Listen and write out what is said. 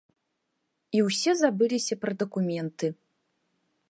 І ўсе забыліся пра дакументы!